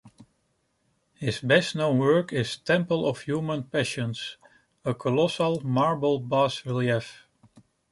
His best known work is "Temple of Human Passions", a colossal marble bas-relief.